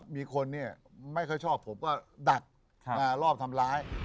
มีคนเนี่ยไม่ของผมก็ดักมารอบทำร้าย